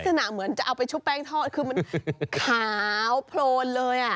ลักษณะเหมือนจะเอาไปชุบแป้งทอดคือมันขาวโพลนเลยอ่ะ